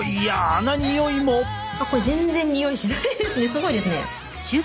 すごいですね。